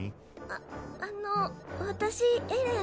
ああの私エレン。